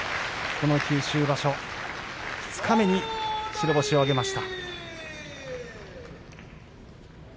九州場所二日目に白星を挙げました。